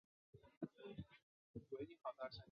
主要城镇为阿维尼翁。